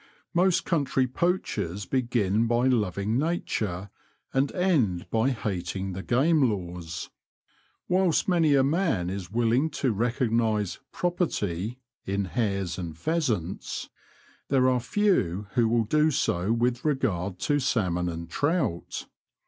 \^\X /uST country poachers begin by loving <z:J,.U^ V Nature and end by hating the Game Laws. Whilst many a man is willing to recognize ^* property" in hares and The Confessions of a Poacher, 91 pheasants, there are few who will do so with regard to salmon and trout.